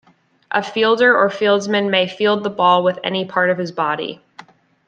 A "fielder" or "fieldsman" may field the ball with any part of his body.